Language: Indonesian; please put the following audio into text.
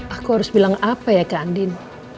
aku harus bilang apa ya kak andin